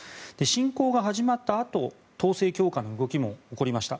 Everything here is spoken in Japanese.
侵攻が始まったあと統制強化の動きも起こりました。